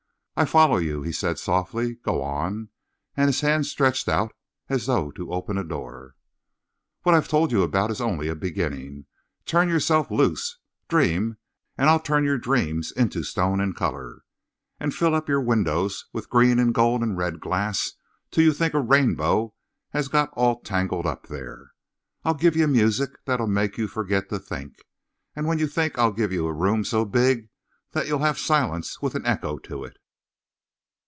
"I follow you," he said softly. "Go on!" And his hand stretched out as though to open a door. "What I've told you about is only a beginning. Turn yourself loose; dream, and I'll turn your dream into stone and color, and fill up your windows with green and gold and red glass till you'll think a rainbow has got all tangled up there! I'll give you music that'll make you forget to think, and when you think I'll give you a room so big that you'll have silence with an echo to it."